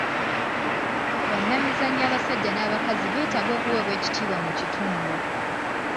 Bannamizannyo abasajja n'abakazi beetaaga okuweebwa ekitiibwa mu kitundu.